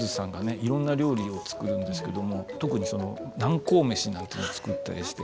いろんな料理を作るんですけども特に楠公飯なんていうのを作ったりして。